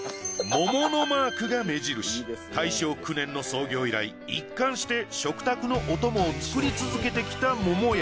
桃のマークが目印大正９年の創業以来一貫して食卓のお供を作り続けてきた桃屋。